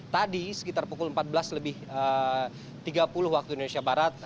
tadi sekitar pukul empat belas lebih tiga puluh waktu indonesia barat